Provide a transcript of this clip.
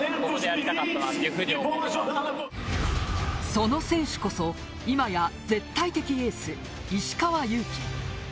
その選手こそ今や絶対的エース石川祐希。